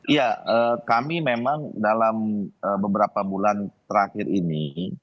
ya kami memang dalam beberapa bulan terakhir ini